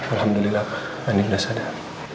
alhamdulillah ani udah sadar